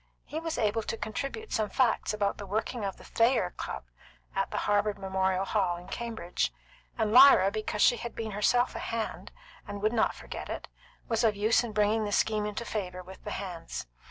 He was able to contribute some facts about the working of the Thayer Club at the Harvard Memorial Hall in Cambridge, and Lyra because she had been herself a hand, and would not forget it, was of use in bringing the scheme into favour with the hands.